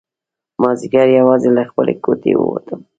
مازیګر یوازې له خپلې کوټې ووتم.